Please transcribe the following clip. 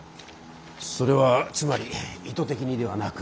それはつまり意図的にではなく？